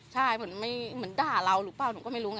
ใช่เหมือนด่าเราหรือเปล่าหนูก็ไม่รู้ไง